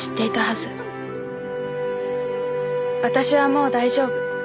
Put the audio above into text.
私はもう大丈夫。